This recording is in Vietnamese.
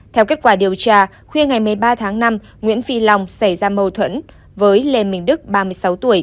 theo kết quả điều tra khuya ngày một mươi ba tháng năm nguyễn phi long xảy ra mâu thuẫn với lê minh đức ba mươi sáu tuổi